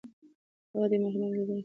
هغه د خپلې مینې د لیدو په هیله هلته لاړ.